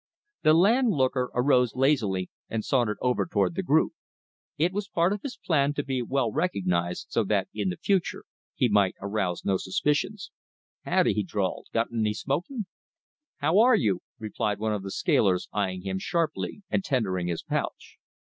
The landlooker arose lazily and sauntered toward the group. It was part of his plan to be well recognized so that in the future he might arouse no suspicions. "Howdy," he drawled, "got any smokin'?" "How are you," replied one of the scalers, eying him sharply, and tendering his pouch.